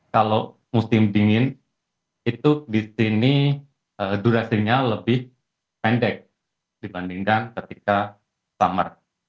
kalau musim dingin itu di sini durasinya lebih pendek dibandingkan ketika summer